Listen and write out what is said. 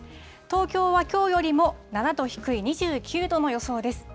東京はきょうよりも７度低い２９度の予想です。